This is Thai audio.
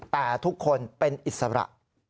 แต่ทุกคนเป็นอิสระ